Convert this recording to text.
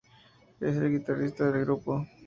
Es el guitarrista del grupo.